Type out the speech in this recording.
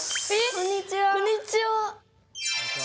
こんにちは。